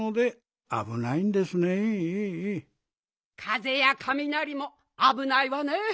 かぜやカミナリもあぶないわね。